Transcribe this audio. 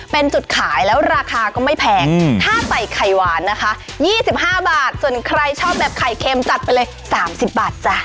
เป็นจุดขายแล้วราคาก็ไม่แพงถ้าใส่ไข่หวานนะคะ๒๕บาทส่วนใครชอบแบบไข่เค็มจัดไปเลย๓๐บาทจ้ะ